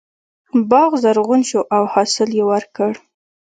باغ زرغون شو او حاصل یې ورکړ.